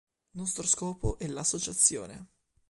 Nostro scopo è l'associazione.